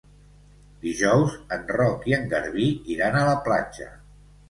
Dijous en Roc i en Garbí iran a la platja.